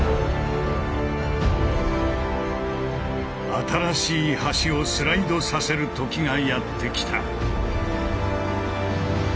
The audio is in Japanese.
新しい橋をスライドさせる時がやって来た。